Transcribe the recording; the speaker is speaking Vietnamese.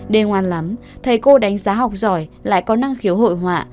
đêm ngoan lắm thầy cô đánh giá học giỏi lại có năng khiếu hội họa